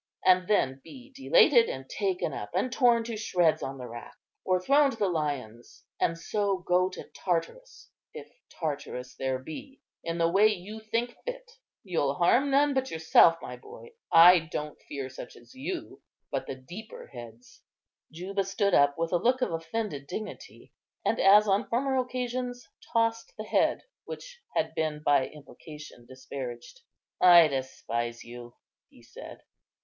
And then be delated and taken up, and torn to shreds on the rack, or thrown to the lions and so go to Tartarus, if Tartarus there be, in the way you think fit. You'll harm none but yourself, my boy. I don't fear such as you, but the deeper heads." Juba stood up with a look of offended dignity, and, as on former occasions, tossed the head which had been by implication disparaged. "I despise you," he said.